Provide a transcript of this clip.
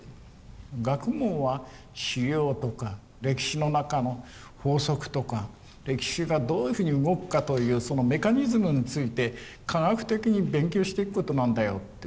学問は資料とか歴史の中の法則とか歴史がどういうふうに動くかというそのメカニズムについて科学的に勉強していくことなんだよっていうの。